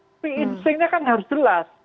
tapi instingnya kan harus jelas